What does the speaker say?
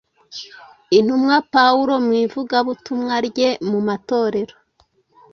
Intumwa Pawulo mu ivugabutumwa rye mu matorero,